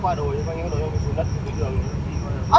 có cái nào là gà bệnh không